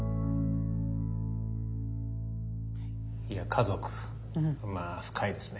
家族まあ深いですね。